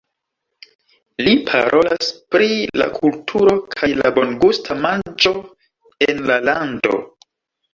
Li parolas pri la kulturo kaj la bongusta manĝo en la lando.